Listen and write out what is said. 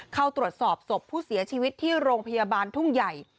เข้าตรวจสอบศพผู้เสียชีวิตที่โรงพยาบาลทุ่งใหญ่